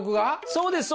そうです。